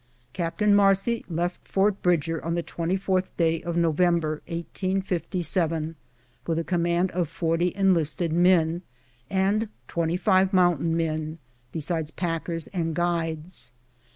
Captain Marcy left Fort Bridger on the 24th day of November, 1857, with a command of forty enlisted men, and twenty five mountain men, besides packers and guides.